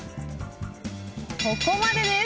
ここまでです。